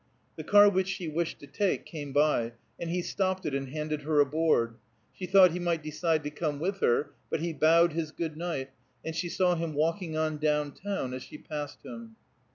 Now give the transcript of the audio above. The car which she wished to take came by, and he stopped it and handed her aboard. She thought he might decide to come with her, but he bowed his good night, and she saw him walking on down town as she passed him.